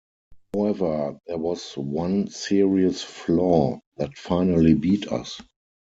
However, there was one serious flaw that finally beat us.